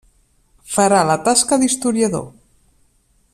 Farà la tasca d'historiador.